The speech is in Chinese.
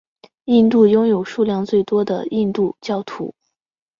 印度拥有数量最多印度教徒。